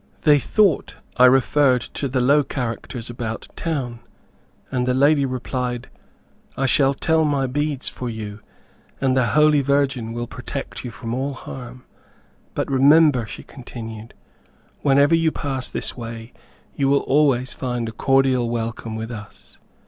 They thought I referred to the low characters about town, and the lady replied, "I shall tell my beads for you and the holy Virgin will protect you from all harm. But remember," she continued, "whenever you pass this way, you will always find a cordial welcome with us."